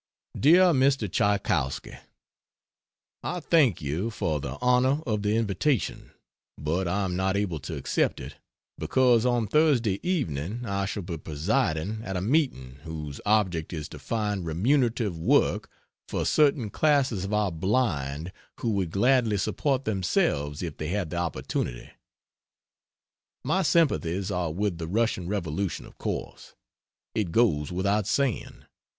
DEAR MR. TCHAIKOWSKI, I thank you for the honor of the invitation, but I am not able to accept it, because on Thursday evening I shall be presiding at a meeting whose object is to find remunerative work for certain classes of our blind who would gladly support themselves if they had the opportunity. My sympathies are with the Russian revolution, of course. It goes without saying.